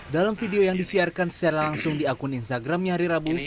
dalam video yang disiarkan secara langsung di akun instagramnya hari rabu